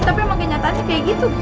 tapi emang kenyataannya kayak gitu